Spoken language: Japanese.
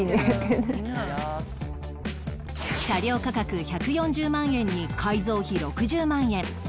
車両価格１４０万円に改造費６０万円